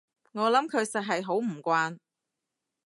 我諗佢實係好唔慣